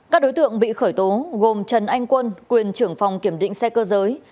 các đối tượng bị khởi tố gồm trần anh quân quyền trưởng phòng kiểm định xe cơ giới